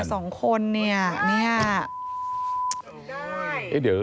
นั่งมามา๒คนนี่